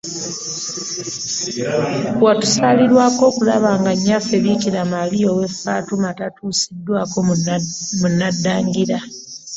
Watusaalirirwako okulaba nga Nnyaffe Biikira Maria ow'e Fatima tatuusiddwako mu Naddangira.